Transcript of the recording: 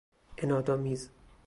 عنادآمیز